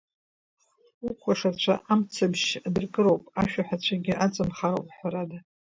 Укәашацәа амцаԥшь адыркыроуп, ашәаҳәацәагьы аҵамхароуп, ҳәарада…